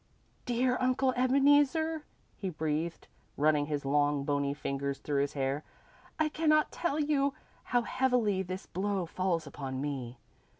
"Dear Uncle Ebeneezer," he breathed, running his long, bony fingers through his hair. "I cannot tell you how heavily this blow falls upon me.